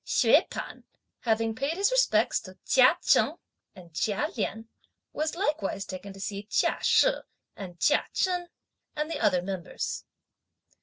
Hsüeh P'an, having paid his respects to Chia Cheng and Chia Lien, was likewise taken to see Chia She, Chia Chen and the other members.